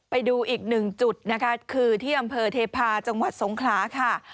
ไปดูอีกหนึ่งจุดนะคะคือที่อำเภอเทพาะจังหวัดสงขลาค่ะ